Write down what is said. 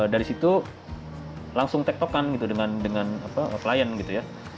dari situ langsung tektokan gitu dengan klien gitu ya